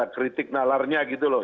kritik nalarnya gitu loh